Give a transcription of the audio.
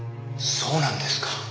そうなんですか。